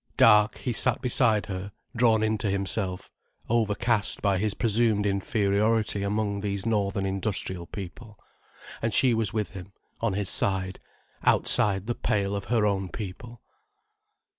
Dark, he sat beside her, drawn in to himself, overcast by his presumed inferiority among these northern industrial people. And she was with him, on his side, outside the pale of her own people.